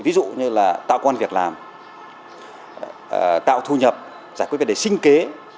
ví dụ như là tạo quan việc làm tạo thu nhập giải quyết vấn đề sinh kế